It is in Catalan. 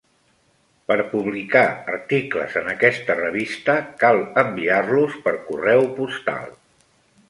Per publicar articles en aquesta revista, cal enviar-los per correu postal.